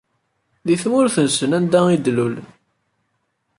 Di tmurt-nsen anda i d-lulen.